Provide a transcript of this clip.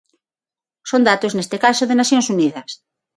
Son datos neste caso de Nacións Unidas.